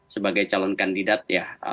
sebagai calon kandidat ya